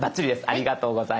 ありがとうございます。